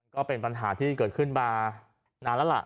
ก็เป็นปัญหาที่เกิดขึ้นมานานแล้วล่ะ